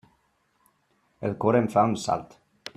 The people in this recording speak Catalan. El cor em fa un salt.